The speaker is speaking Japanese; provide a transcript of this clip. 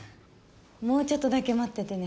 もうちょっとだけ待っててね。